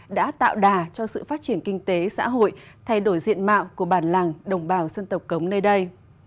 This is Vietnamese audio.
đã tạo đà cho sự phát triển kinh tế xã hội thay đổi diện mạo của bản làng đồng bào dân tộc cống nơi đây